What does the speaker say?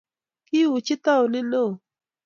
kiuchi taunit neoo